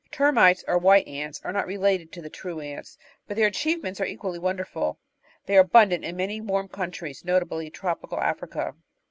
Termites or "White Ants" are not related to the true Ants, but their achievements are equally wonderful. They are abun dant in many warm countries, notably tropical Africa.